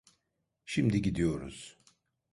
Şimdi gidiyoruz.